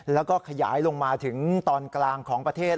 แล้วก็ขยายลงมาถึงตอนกลางของประเทศ